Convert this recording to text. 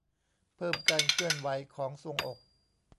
เพิ่มการเคลื่อนไหวของทรวงอก